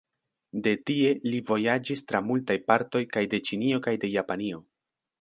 De tie li vojaĝis tra multaj partoj kaj de Ĉinio kaj de Japanio.